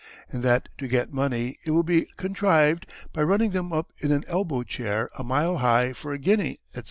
And that to get Money it will be contriv'd, by running them up in an Elbow Chair a Mile high for a guinea, etc.